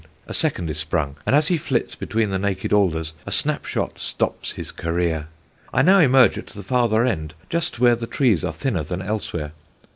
A second is sprung, and as he flits between the naked alders a snap shot stops his career. I now emerge at the farther end, just where the trees are thinner than elsewhere.